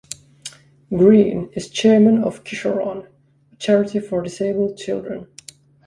Green is chairman of Kisharon, a charity for disabled children.